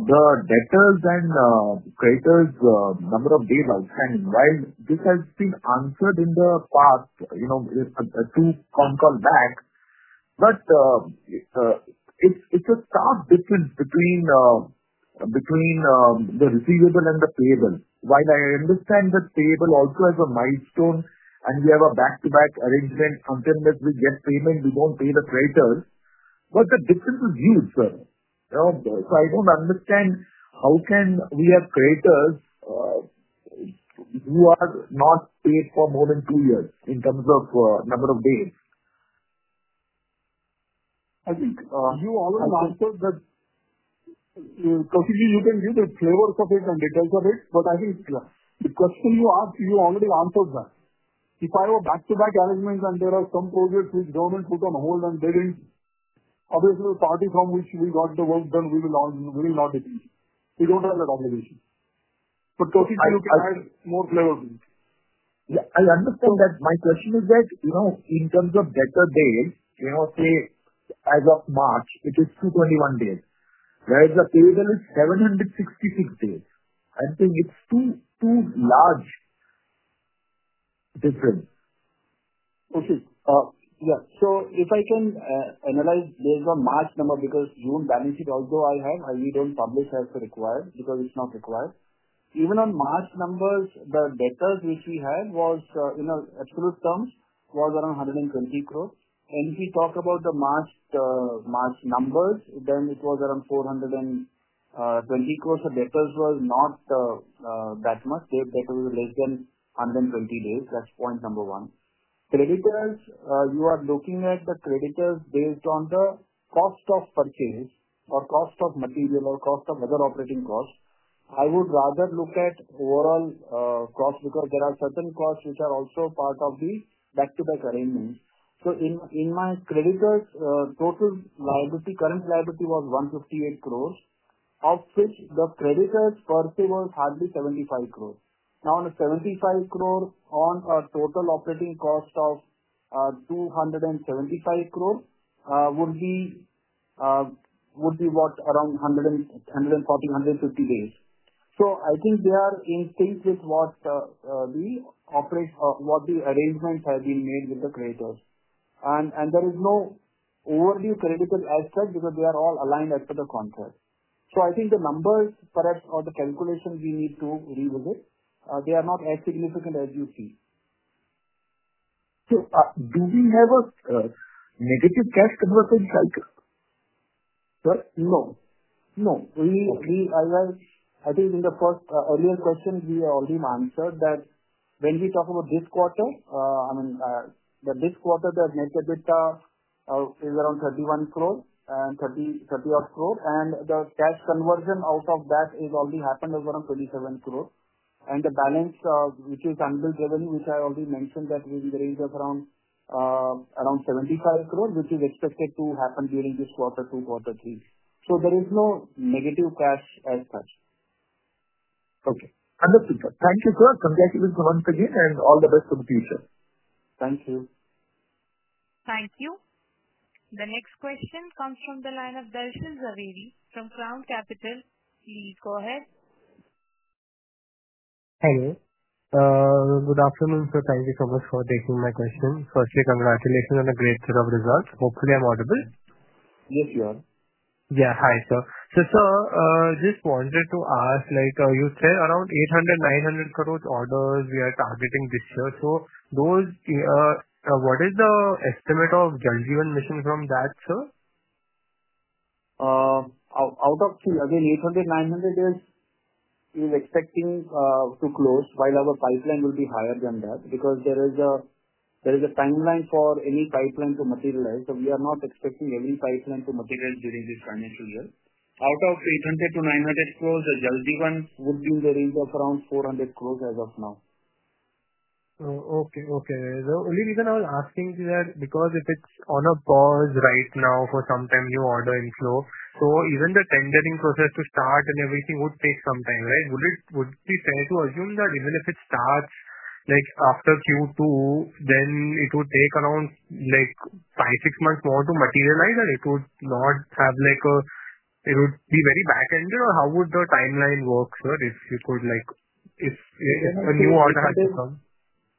the debtors and creditors, number of days, and when this has been answered in the past, you know, to concom back. It's a tough decision between the receivable and the payable. While I understand the payable also has a milestone, and we have a back-to-back arrangement until we get payment, we won't pay the creditors. The difference is huge, sir. I don't understand how can we have creditors who are not paid for more than two years in terms of a number of days. I think you already answered that. You can give the flavor of it and the details of it, but I think the question you asked, you already answered that. If I have a back-to-back arrangement and there are some projects which don't put on hold and there is obviously a party from which we got the work done, we will not depend. We don't have that obligation. I have more flavor to it. Yeah, I understand that. My question is that, you know, in terms of debtor days, you know, say as of March, it is 221 days, whereas the payable is 766 days. I think it's too large a difference. Okay. If I can analyze based on March number, because June balance sheet also I have, I didn't publish as required because it's not required. Even on March numbers, the debtors which we had was in our absolute terms was around 120 crore. If you talk about the March numbers, then it was around 420 crore. The debtors were not that much. Debtors were less than 120 days. That's point number one. Creditors, you are looking at the creditors based on the cost of purchase or cost of material or cost of other operating costs. I would rather look at overall costs because there are certain costs which are also part of the back-to-back arrangements. In my creditors, total liability, current liability was 158 crore. Offset, the creditors' first pay was hardly 75 crore. Now on a 75 crore on a total operating cost of 275 crore would be what? Around 140, 150 days. I think they are in sync with what the arrangements have been made with the creditors. There is no overview creditor aspect because they are all aligned after the contract. I think the numbers perhaps or the calculations we need to revisit, they are not as significant as you see. Do we have a negative test for some culture? No. No. I think in the first earlier question, we already answered that when we talk about this quarter, I mean, this quarter the net EBITDA is around 31 crore and 30 odd crore. The cash conversion out of that has already happened at around 27 crore. The balance, which is unbilled revenue, which I already mentioned that we raised around 75 crore, is expected to happen during this quarter two, quarter three. There is no negative cash as such. Okay. Understood. Thank you, sir. Congratulations once again and all the best for the future. Thank you. Thank you. The next question comes from the line of Darshil Zaveri from Crown Capital. Please go ahead. Hello. Good afternoon, sir. Thank you so much for taking my question. Firstly, congratulations on a great set of results. Hopefully, I'm audible. Yes, you are. Hi, sir. Sir, I just wanted to ask, like you said, around 800 to 900 crore orders we are targeting this year. What is the estimate of Jal Jeevan Mission from that, sir? Out of, again, 800, 900, we are expecting to close, while our pipeline will be higher than that because there is a timeline for any pipeline to materialize. We are not expecting any pipeline to materialize during this financial year. Out of 800 to 900 crore, a chunk even would be in the range of around 400 crore as of now. Okay. The only reason I was asking is that because if it's on a pause right now for some time, your order inflow, even the tendering process to start and everything would take some time, right? Would it be fair to assume that even if it starts like after Q2, then it would take around five, six months more to materialize? It would not have a, it would be very back-ended. How would the timeline work, sir, if you could, if a new order had to come?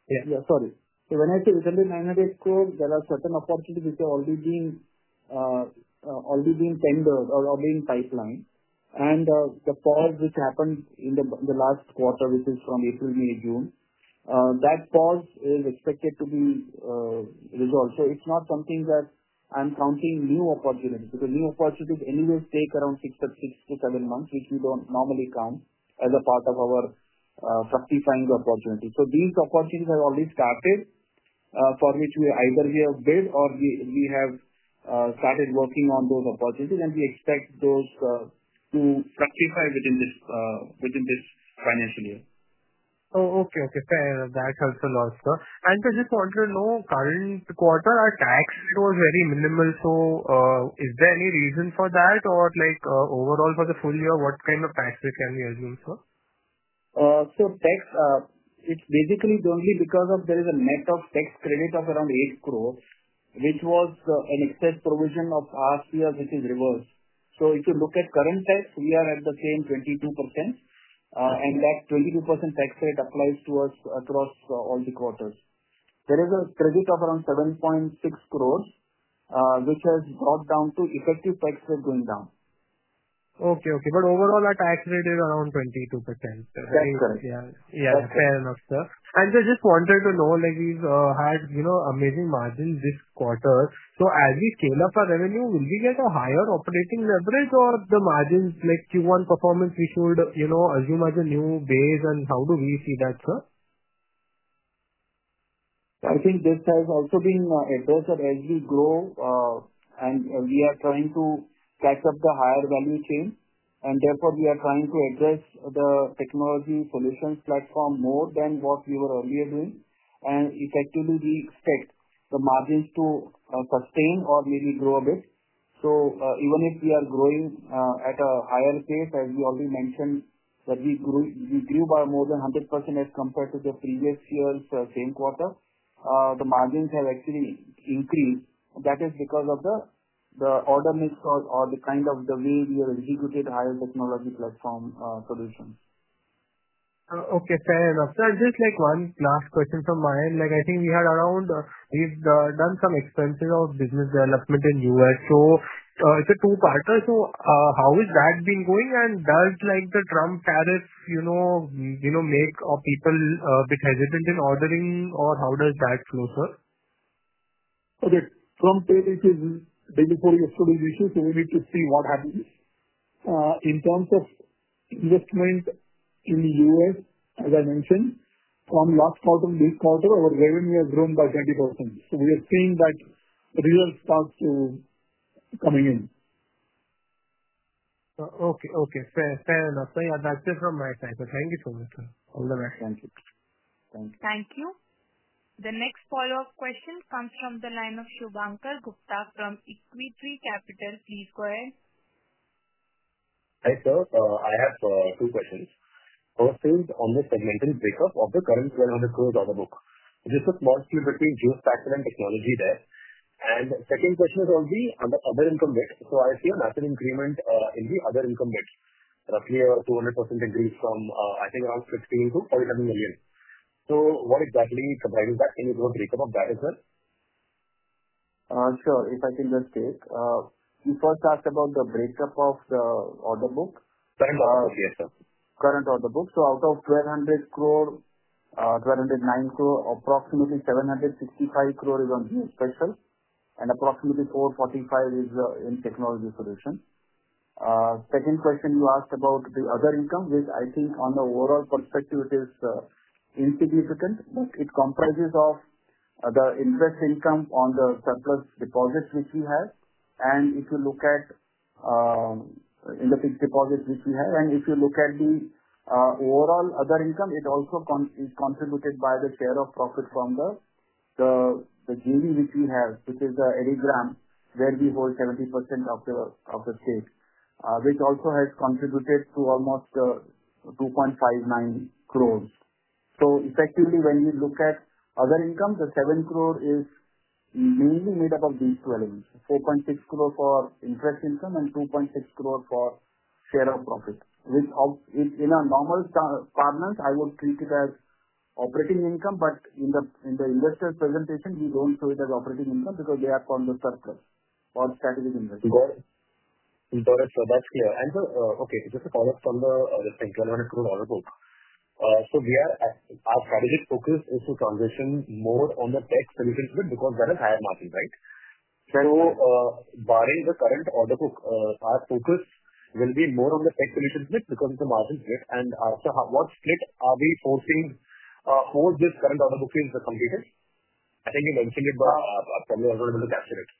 Yeah. Sorry. Even at the 800-900 crore level, there are certain opportunities which are already being tendered or already in pipeline. The pause which happened in the last quarter, which is from April to June, is expected to be resolved. It's not something that I'm counting as new opportunities because new opportunities anyway take around six to seven months, which we don't normally count as a part of our fructifying opportunities. These opportunities have already started, for which either we have bid or we have started working on those opportunities. We expect those to fructify within this financial year. Okay. That helps a lot, sir. I just wanted to know, current quarter, our tax was very minimal. Is there any reason for that? Overall, for the full year, what kind of taxes can we assume, sir? Tax, it's basically only because there is a net of tax credit of around 8 crore, which was an excess provision of last year, which is reversed. If you look at current tax, we are at the same 22%, and that 22% tax rate applies to us across all the quarters. There is a credit of around 7.6 crore, which has gone down to effective tax rate going down. Okay. Okay. Overall, our tax rate is around 22%. That's incorrect. Yeah. Fair enough, sir. I just wanted to know, like we've had, you know, amazing margins this quarter. As we scale up our revenue, will we get a higher operating leverage or the margins like Q1 performance we should, you know, assume as a new base? How do we see that, sir? I think this has also been addressed as we grow, and we are trying to catch up the higher value chain. Therefore, we are trying to address the technology solutions platform more than what we were earlier doing. Effectively, we expect the margins to sustain or maybe grow a bit. Even if we are growing at a higher pace, as we already mentioned, that we grew by more than 100% as compared to the previous year's same quarter, the margins have actually increased. That is because of the order mix or the kind of the way we have executed higher technology platform solutions. Okay. Fair enough. Sir, just one last question from my end. I think we had around, we've done some expenses of business development in the U.S. It's a two-part. How has that been going? Does the Trump tariffs, you know, make people a bit hesitant in ordering? How does that flow, sir? Okay. Trump tariffs is basically a political decision. We need to see what happens. In terms of investment in the U.S., as I mentioned, from last quarter to this quarter, our revenue has grown by 20%. We have seen that real start to coming in. Okay. Fair enough. That's it from my side. Thank you so much, sir. All the best. Thank you. Thank you. Thank you. The next follow-up question comes from the line of Shubhankar Gupta from Equity Capital. Please go ahead. Hi, sir. I have two questions. I was saying on the segmented breakup of the current 1,200 crores order book, there's a small few between geospatial and technology there. The second question is on the other income base. I see a massive increment in the other income base, roughly a 200% increase from, I think, around 15 million to INR 27 million. What exactly is driving that INR 10 crores breakup of that as well? Sure. If I can just take, you first asked about the breakup of the order book? Current order book. Yes, sir. Current order book. Out of 1,209 crore, approximately 765 crore is on geospatial, and approximately 445 crore is in technology solutions. The second question you asked about the other income, which I think on the overall perspective, it is insignificant, but it comprises of the interest income on the surplus deposits which we have. If you look at interest deposits which we have, and if you look at the overall other income, it also is contributed by the share of profit from the GV which we have, which is the Eddy Gram, where we hold 70% of the stake, which also has contributed to almost 2.59 crore. Effectively, when we look at other income, the 7 crore is mainly made up of these two elements: 4.6 crore for interest income and 2.6 crore for share of profit, which is in a normal parlance, I would treat it as operating income. In the investor presentation, we don't show it as operating income because they have gone to surplus on strategic investment. Got it. Got it. That's clear. Okay, just a follow-up from the INR 1,200 crore order book. We are, our strategic focus is to transition more on the technology solutions bit because that is higher margin, right? Barring the current order book, our focus will be more on the technology solutions bit because of the margin split. After what split are we focusing? Who is this current order booking to complete it? I think you mentioned it, but can you already look after it?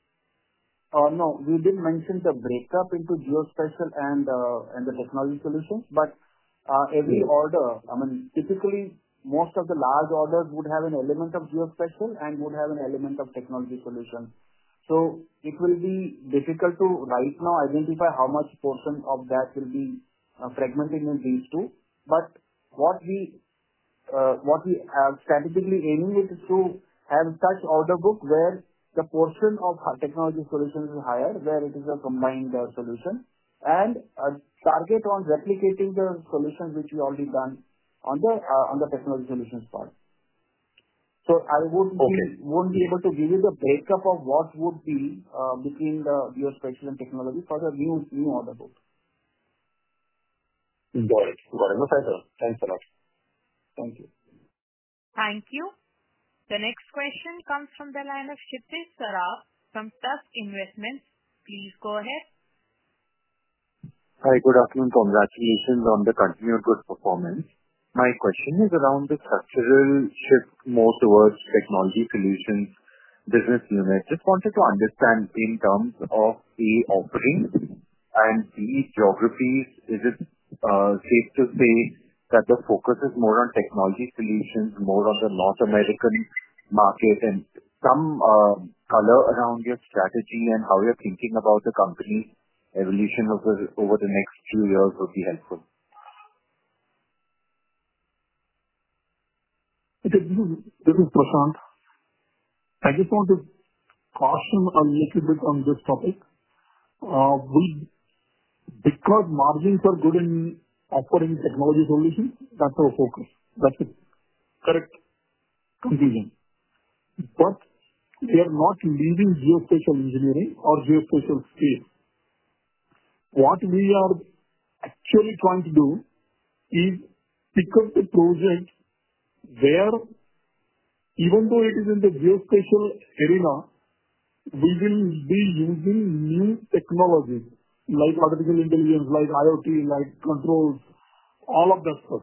No, we didn't mention the breakup into geospatial and the technology solution. Every order, I mean, typically, most of the large orders would have an element of geospatial and would have an element of technology solution. It will be difficult to right now identify how much portion of that will be fragmented in these two. What we are strategically aiming at is to have such order books where the portion of technology solutions is higher, where it is a combined solution, and a target on replicating the solutions which we already done on the technology solutions part. I wouldn't be able to give you the breakup of what would be between the geospatial and technology for the new order book. Got it. Got it. Thanks a lot. Thank you. Thank you. The next question comes from the line of Nitish Saha from SAS Investments. Please go ahead. Hi. Good afternoon. Congratulations on the continued good performance. My question is around the sustenance shift more towards technology solutions business units. Just wanted to understand in terms of A, operating, and B, geographies. Is it safe to say that the focus is more on technology solutions, more on the North American market? Some color around your strategy and how you're thinking about the company evolution over the next two years would be helpful. This is Prashant. I just want to fasten a little bit on this topic. Because margins are good in operating technology solutions, that's our focus. That's it. Correct? Confusing. We are not leaving geospatial engineering or geospatial skills. What we are actually trying to do is pick up the projects where even though it is in the geospatial area, we will be using new technologies, like artificial intelligence, like IoT, like controls, all of that stuff.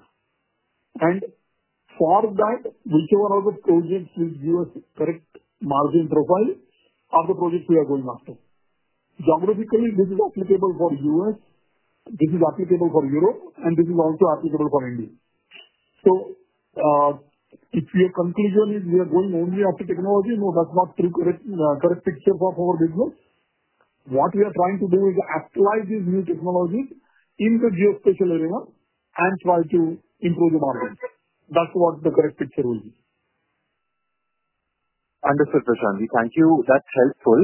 For that, whichever of the projects will give us a correct margin profile of the projects we are going after. Geographically, this is applicable for the U.S. This is applicable for Europe. This is also applicable for India. If your conclusion is we are going only after technology, no, that's not the correct picture of our business. What we are trying to do is apply these new technologies in the geospatial area and try to improve the margins. That's what the correct picture will be. Understood, Prashant. Thank you. That's helpful.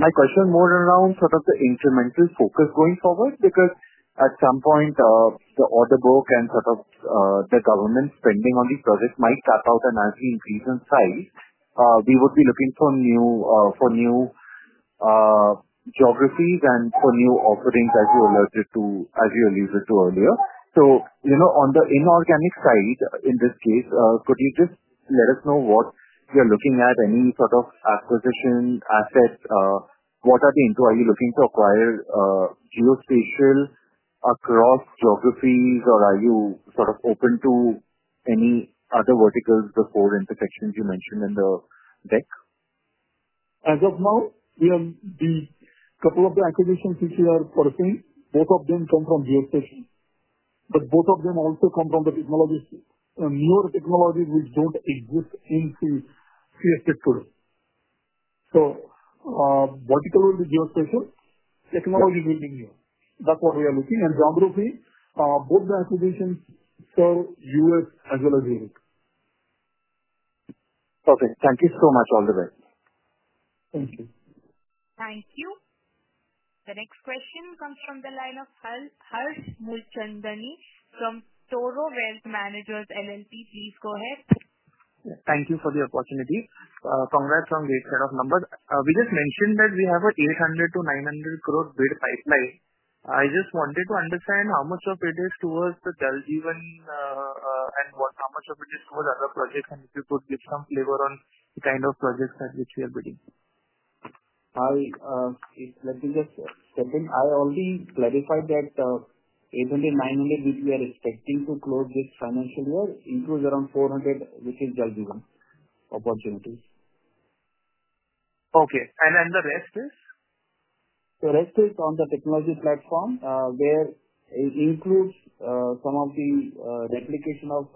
My question is more around sort of the incremental focus going forward because at some point, the order book and sort of the government spending on these projects might tap out, and as we increase in size, we would be looking for new geographies and for new offerings, as you alluded to earlier. On the inorganic side, in this case, could you just let us know what you're looking at? Any sort of acquisition assets? What are the into, are you looking to acquire geospatial across geographies, or are you sort of open to any other verticals, the four intersections you mentioned in the deck? As of now, we have the couple of the acquisitions which we are porting. Both of them come from geospatial. Both of them also come from the technologies. Newer technologies which don't exist in CS Tech today. Vertical will be geospatial. Technology will be new. That's what we are looking. Geography, both the acquisitions serve U.S. as well as Europe. Okay, thank you so much. All the best. Thank you. The next question comes from the line of Harsh Mulchandani from Toro Wealth Managers LLP. Please go ahead. Thank you for the opportunity. Congrats on the set of numbers. We just mentioned that we have an 800 to 900 crore bid pipeline. I just wanted to understand how much of it is towards the Jal Jeevan Mission and how much of it is towards other projects, and if we put discount lever on the kind of projects that we are bidding. I already clarified that 800, 900 crore which we are expecting to close this financial year includes around 400 crore which is Jal Jeevan Mission opportunities. Okay. The rest is? The rest is on the technology platform, where it includes some of the replication of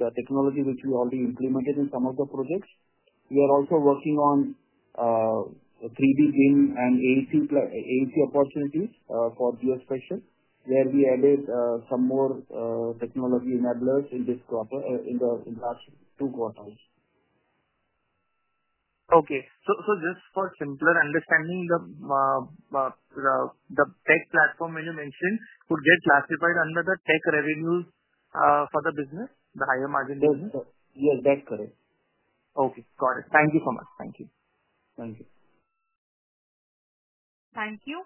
the technology which we already implemented in some of the projects. We are also working on 3D BIM and AEC opportunities for geospatial, where we added some more technology enablers in this in the last two quarters. Okay. For simpler understanding, the tech platform you mentioned could get classified under the tech revenue for the business, the higher margin business? Yes, that's correct. Okay. Got it. Thank you so much. Thank you. Thank you. Thank you.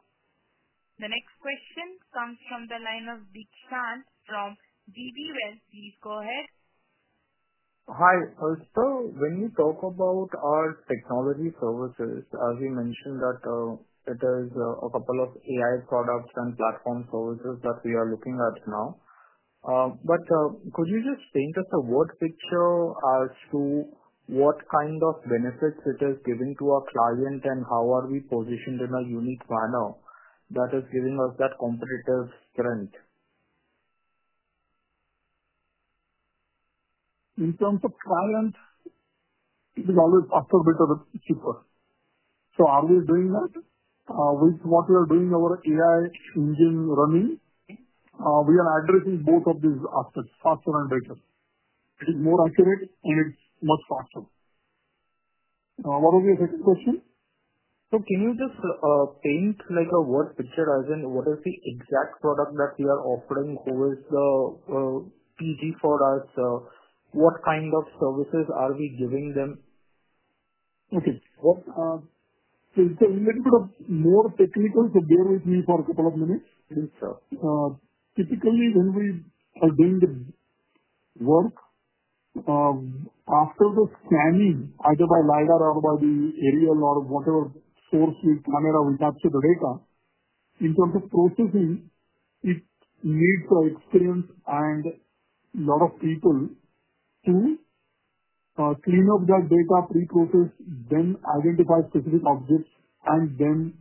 The next question comes from the line of Vikrant from B.V. Welling. Please go ahead. Hi. Sir, when you talk about our technology solutions, as you mentioned that there are a couple of AI products and platform services that we are looking at now, could you just paint us a word picture as to what kind of benefits it is giving to our client and how are we positioned in a unique manner that is giving us that competitive strength? In terms of client, it is always faster because it's cheaper. Are we doing that? With what we are doing, our AI engine running, we are addressing both of these aspects faster and better. It is more accurate, and it's much faster. What was your second question? Can you just paint like a word picture as in what is the exact product that we are offering with the PD for us? What kind of services are we giving them? Okay, it's a little bit more technical, so bear with me for a couple of minutes. Sure. Typically, when we are doing the work, after the scanning, either by LiDAR or by the aerial or whatever source, we come in and we capture the data. In terms of processing, it's needed for experience and a lot of people to clean up that data, pre-process, then identify specific objects, and then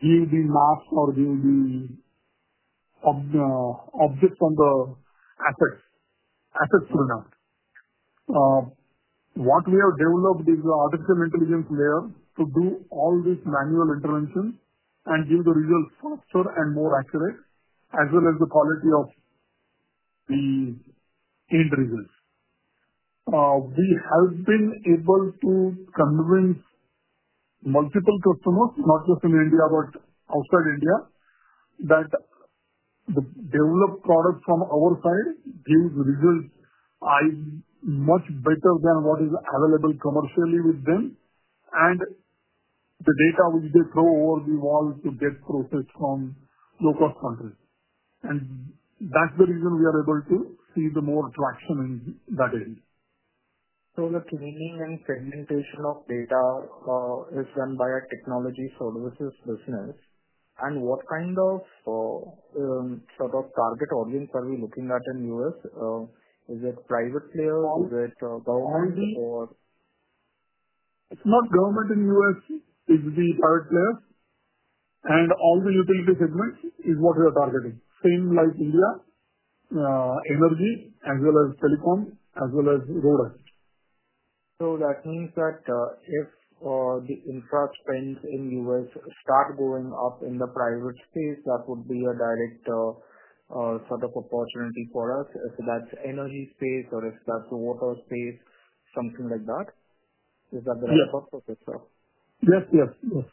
give the maps or give the objects on the assets to map. What we have developed is the artificial intelligence layer to do all these manual interventions and give the results faster and more accurate, as well as the quality of the end results. We have been able to convince multiple customers, not just in India, but outside India, that the developed products from our side give results much better than what is available commercially with them. The data which they throw over the wall to get protection from low-cost contracts is also considered. That's the reason we are able to see more traction in that area. The training and segmentation of data is run by a technology solutions. What kind of, sort of target audience are we looking at in the U.S.? Is it private players? Is it government? It's not government in the U.S. It's the private players, and all the utility segments is what we are targeting. Same like energy, as well as telecom, as well as roads. That means that if the infra spend in the U.S. starts going up in the private space, that would be a direct sort of opportunity for us. That's energy space, or is that water space, something like that? Is that the right approach, sir? Yes, yes, yes.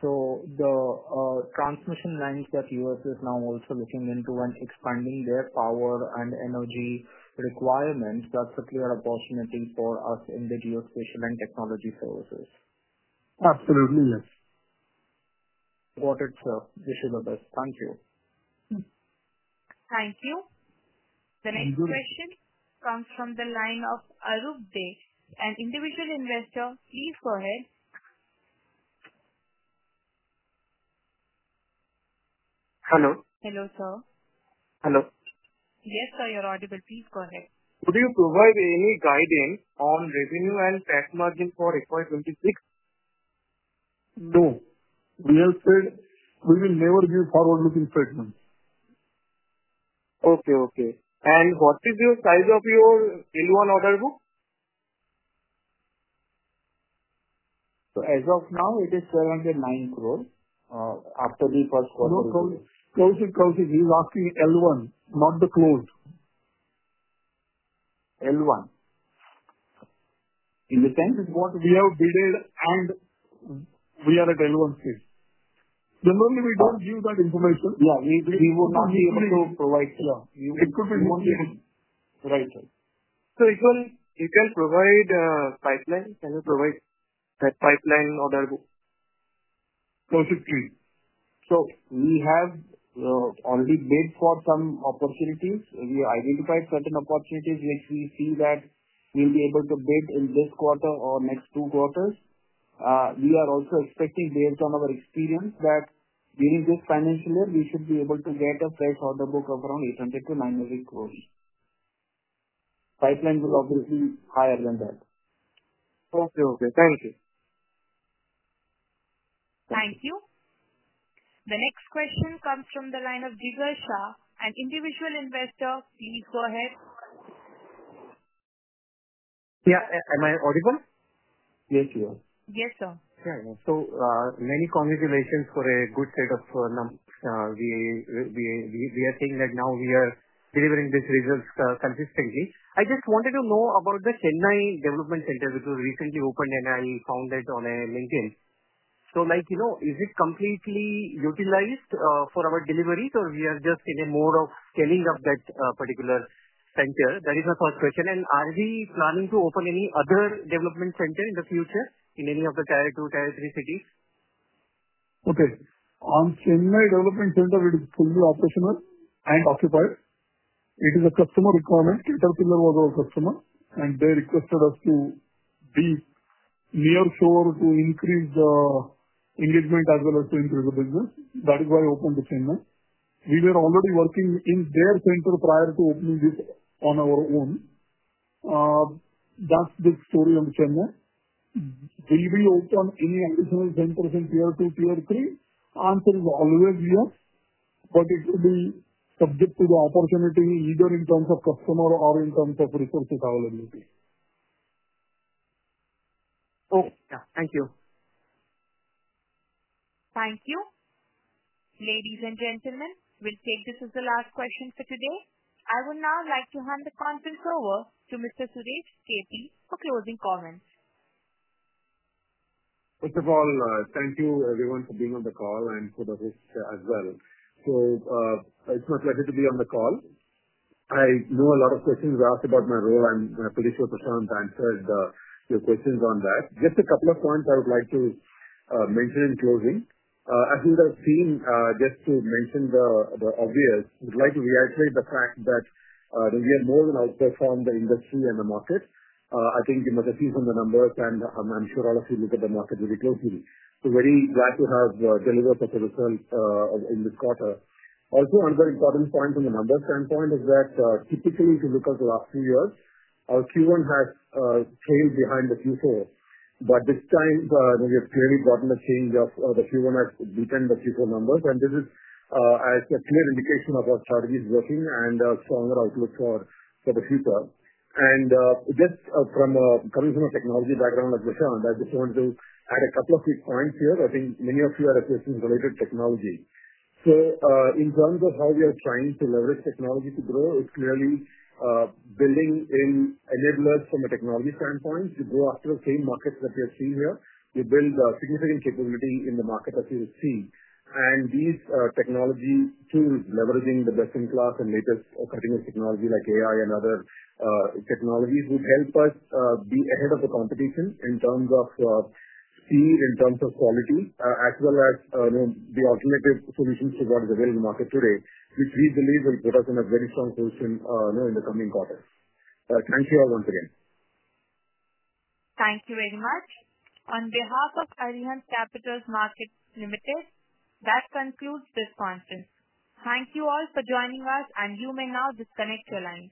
The transmission lines that the U.S. is now also looking into and expanding their power and energy requirements, that's a clear opportunity for us in the geospatial and technology services. Absolutely, yes. Got it, sir. You should do the best. Thank you. Thank you. The next question comes from the line of Arup De, an individual investor. Please go ahead. Hello. Hello, sir. Hello. Yes, sir. You're audible. Please go ahead. Could you provide any guidance on revenue and cash margin for FY2026? No. We will never give forward-looking statements. Okay. What is the size of your Q1 order book? As of now, it is 709 crore after the first quarter. No, no, no. Closing, closing. You asked me L1, not the close. L1. In the sense? It's what we have bid, and we are at L1 stage. You know, you don't use that information. Yeah, we will not be able to provide, sir. It's different. Right, right. Can you provide that pipeline order book? Perfectly. We have already bid for some opportunities. We identified certain opportunities which we see that we'll be able to bid in this quarter or next two quarters. We are also expecting, based on our experience, that during this financial year, we should be able to get a fresh order book of around 800 to 900 crore. Pipeline will obviously be higher than that. Okay. Okay. Thank you. Thank you. The next question comes from the line of Diversha, an individual investor. Please go ahead. Yeah, am I audible? Yes, you are. Yes, sir. Yeah, yeah. Many congratulations for a good set of numbers. We are saying that now we are delivering these results consistently. I just wanted to know about the Chennai Development Center which was recently opened, and I found it on LinkedIn. Is it completely utilized for our delivery, or are we just in a mode of telling of that particular center? That is a thought question. Are we planning to open any other development center in the future in any of the territory cities? On Chennai Development Center, it is fully operational and occupied. It is a customer requirement. It has been a lot of customers, and they requested us to be here to increase the engagement as well as to increase the business. That is why we opened the Chennai. We were already working in their center prior to opening this on our own. That's the story on Chennai. Do we open any additional 10% tier two, tier three? The answer is always yes. It will be subject to the opportunity, either in terms of customer or in terms of resources availability. Okay. Yeah. Thank you. Thank you. Ladies and gentlemen, we'll take this as the last question for today. I would now like to hand the conference over to Mr. Srinivas Keshi, for closing comments. First of all, thank you everyone for being on the call and for the host as well. It's my pleasure to be on the call. I know a lot of questions were asked about my role. I'm pretty sure Prashant answered your questions on that. Just a couple of points I would like to mention in closing. As we have seen, just to mention the obvious, I would like to reiterate the fact that we have more than outperformed the industry and the market. I think you must have seen some of the numbers, and I'm sure all of you look at the market really closely. We're very glad to have delivered the technical in this quarter. Also, another important point from the numbers standpoint is that typically, if you look at the last few years, our Q1 had come behind the Q4. This time, we have clearly gotten a change as Q1 has beaten the Q4 numbers. This is a clear indication our strategy is working and a stronger outlook for the future. Just from a professional technology background, like you said, I just wanted to add a couple of key points here. I think many of you are interested in related technology. In terms of how we are trying to leverage technology to grow, it's really building in enablers from a technology standpoint to go after the same markets that we are seeing here. We build a significant capability in the market that you see. These technology teams, leveraging the best-in-class and latest cutting-edge technology like AI. which can quite be ahead of the competition in terms of speed, in terms of quality, as well as the alternative solutions to run the various markets today, which we believe will give us a very strong solution in the coming quarters. Thank you all once again. Thank you very much. On behalf of Arihant Capital Markets Limited, that concludes this conference. Thank you all for joining us, and you may now disconnect your line.